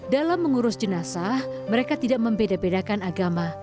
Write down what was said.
dalam mengurus jenazah mereka tidak membeda bedakan agama